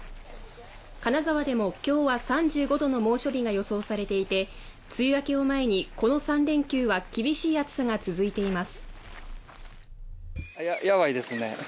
金沢でも今日は３５度の猛暑日が予想されていて梅雨明けを前にこの３連休は厳しい暑さが続いています。